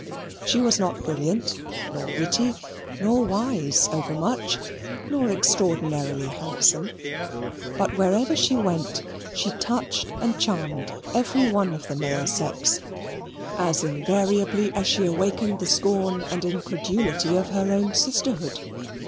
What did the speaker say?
She was not brilliant, nor witty, nor wise over much, nor extraordinarily handsome. But wherever she went she touched and charmed every one of the male sex, as invariably as she awakened the scorn and incredulity of her own sisterhood.